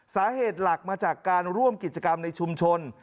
สาเหตุหลักมาจากการร่วมกิจกรรมในชุมชน